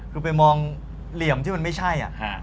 คือไปมองเหลี่ยมที่มันไม่ใช่